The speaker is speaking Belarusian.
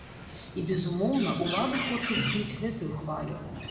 І, безумоўна, улады хочуць збіць гэтую хвалю.